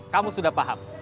kamu sudah paham